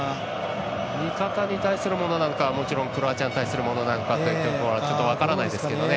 味方に対するものなのかクロアチアに対するものなのかというところは分からないんですけどね